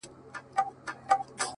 سترگي مي ړندې سي رانه وركه سې”